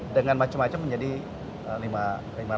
dengan macam macam menjadi lima ratus